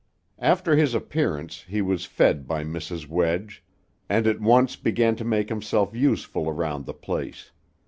After his appearance he was fed by Mrs. Wedge, and at once began to make himself useful around the place.